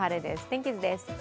天気図です。